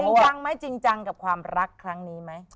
จริงจังไหมจริงจังกับความรักครั้งนี้ไหม